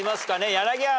柳原。